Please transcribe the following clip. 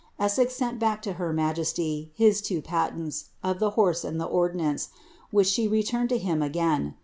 Esses sent back to her majesty bis ivJ patents, of ihe horse and the ordnance, which she returned lo hin again.